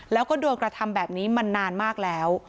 แล้วก็โดนกระทำแบบนี้มานานมากแล้ว